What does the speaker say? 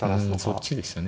そっちでしたね。